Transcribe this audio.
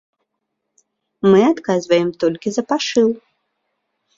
Мы адказваем толькі за пашыў.